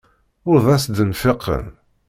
Ur d as-d-nfiqen.